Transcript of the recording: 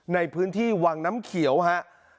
ในพื้นที่วังน้ำเขียวครับ